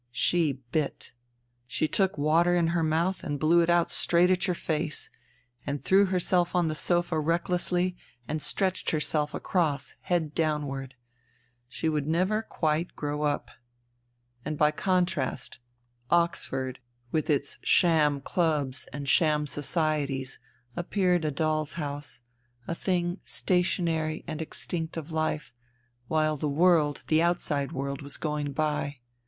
She bit. She took water in her mouth and blew it out straight at your face, and threw herself on the sofa recklessly and stretched herself across, head downward. ... She would never quite grow up. And by contrast, Oxford with its sham 230 FUTILITY clubs and sham societies appeared a doll's house, a thing stationary and extinct of life, while the world, the Outside World, was going by.